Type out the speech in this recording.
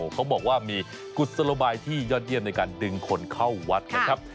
เขาบอกว่ามีกุศโลบายที่ยอดเยี่ยมในการดึงคนเข้าวัดนะครับ